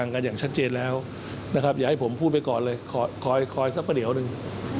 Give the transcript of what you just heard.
คอยสักประเดี๋ยวหนึ่ง